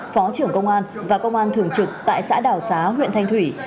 phó trưởng công an và công an thường trực tại xã đảo xá huyện thanh thủy